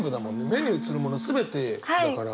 目に映るもの全てだから。